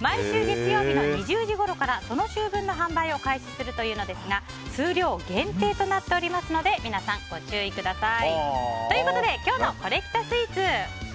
毎週月曜日の２０時ごろからその週分の発売を開始するというのですが数量限定となっておりますので皆さん、ご注意ください。ということで今日のコレきたスイーツ。